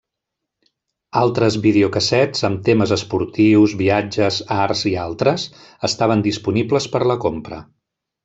Altres videocassets amb temes esportius, viatges, art i altres, estaven disponibles per a la compra.